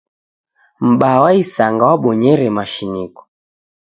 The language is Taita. M'baa wa isanga wabonyere mashiniko.